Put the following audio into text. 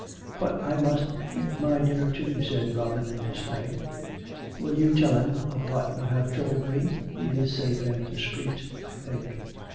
" But I must eat my dinner too," said Robin, in dismay. "Will you tell him of what you have told me.'' He is safe and discreet, I think."